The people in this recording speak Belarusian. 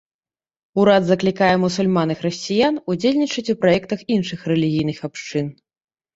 Урад заклікае мусульман і хрысціян ўдзельнічаць ў праектах іншых рэлігійных абшчын.